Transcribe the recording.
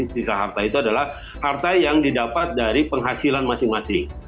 sisa harta itu adalah harta yang didapat dari penghasilan masing masing